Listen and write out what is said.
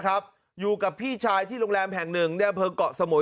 อยู่กับพี่ชายที่โรงแรมแห่งหนึ่งในอำเภอกเกาะสมุย